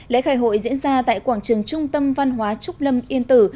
lễ khai hội diễn ra tại quảng trường trung tâm văn hóa trúc lâm yên tử